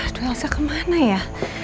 aduh elsa kemana ya